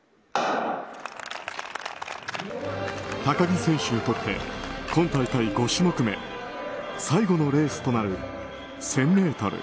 高木選手にとって今大会５種目め最後のレースとなる１０００ｍ。